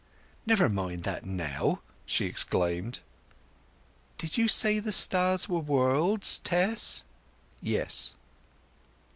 "Never mind that now!" she exclaimed. "Did you say the stars were worlds, Tess?" "Yes."